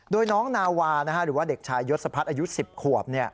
โดยน้องนาวาหรือว่าเด็กชายยศพัฒน์อายุ๑๐ขวบ